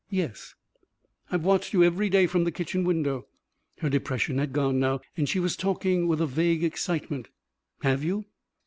"Yes?" "I've watched you every day from the kitchen window." Her depression had gone now and she was talking with a vague excitement. "Have you?"